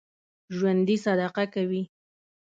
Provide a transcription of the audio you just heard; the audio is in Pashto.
ژوندي صدقه کوي